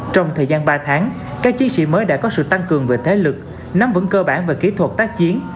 trong thời gian ba tháng các chiến sĩ mới đã có sự tăng cường về thế lực nắm vững cơ bản về kỹ thuật tác chiến